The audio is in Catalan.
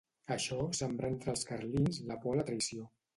Això sembrà entre els carlins la por a la traïció.